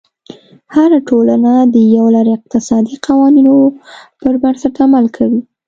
هره ټولنه د یو لړ اقتصادي قوانینو پر بنسټ عمل کوي.